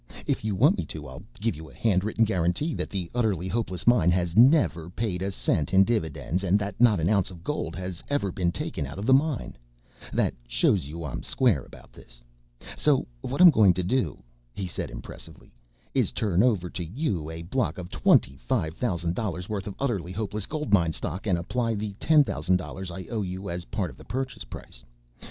If you want me to I'll give you a written guarantee that the Utterly Hopeless Mine has never paid a cent in dividends and that not an ounce of gold has ever been taken out of the mine. That shows you I'm square about this. So what I'm going to do," he said impressively, "is to turn over to you a block of twenty five thousand dollars' worth of Utterly Hopeless Gold Mine stock and apply the ten thousand dollars I owe you as part of the purchase price.